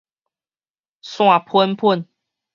散翸翸